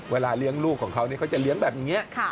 เลี้ยงลูกของเขาเขาจะเลี้ยงแบบนี้